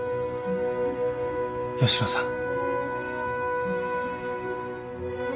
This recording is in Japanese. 吉野さん。